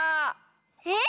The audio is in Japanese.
えっ？